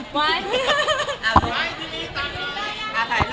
บ้าน